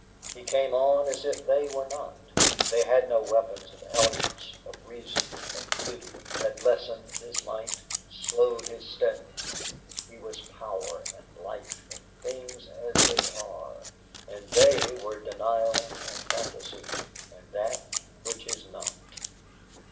He came on as if they were not. They had no weapons of eloquence, of reason, of beauty, that lessened his might, slowed his step. He was Power and Life and things as they are, and they were Denial and Fantasy and that which is not.